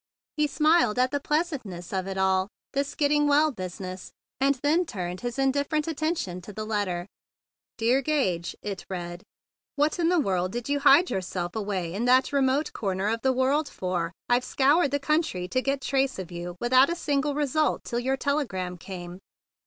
He smiled at the pleasantness of it all, this getting well business, and then turned his indifferent attention to the letter. '"Dear Gage,*' it read, "what in the world did you hide yourself away in that remote comer of the world for? I've scoured the country to get trace of you without a single result till your tele¬ gram came.